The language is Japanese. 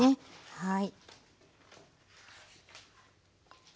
はい。